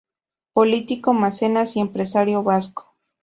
Político, mecenas y empresario vasco.